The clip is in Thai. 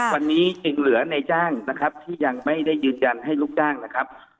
วันนี้จึงเหลือในจ้างนะครับที่ยังไม่ได้ยืนยันให้ลูกจ้างนะครับ